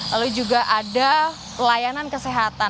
lalu juga ada layanan kesehatan